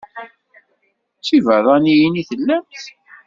D tibeṛṛaniyin i tellamt?